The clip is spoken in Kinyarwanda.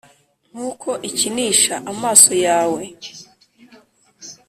nkuko ikinisha amaso yawe,